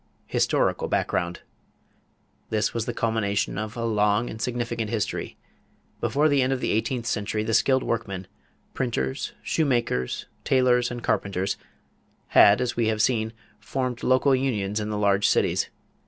=Historical Background.= This was the culmination of a long and significant history. Before the end of the eighteenth century, the skilled workmen printers, shoemakers, tailors, and carpenters had, as we have seen, formed local unions in the large cities.